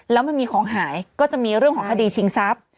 แล้วมันมีของหายก็จะมีเรื่องของคดีชิงทรัพย์